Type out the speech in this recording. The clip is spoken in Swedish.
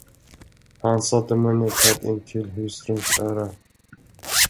Han satte munnen tätt intill hustruns öra.